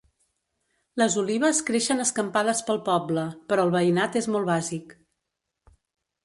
Les olives creixen escampades pel poble, però el veïnat és molt bàsic.